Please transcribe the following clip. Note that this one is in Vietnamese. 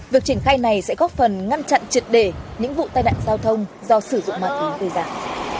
việc triển khai này sẽ góp phần ngăn chặn trực để những vụ tai nạn giao thông do sử dụng ma túy tư giãn